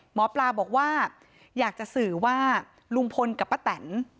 หมอปลาบอกว่าอยากจะสื่อว่าลุงพลกับป้าแตน